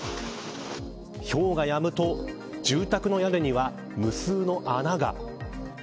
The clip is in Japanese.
ひょうがやむと住宅の屋根には無数の穴が。